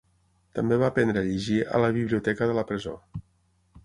També va aprendre a llegir a la biblioteca de la presó.